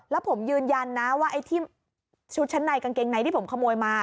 แล้วผมยืนยันนะว่าไอ้ที่ชุดชั้นในกางเกงในที่ผมขโมยมา